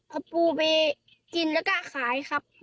เอาปูไปกินแล้วก็ขายครับ